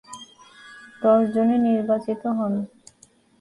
দশজনই নির্বাচিত হন।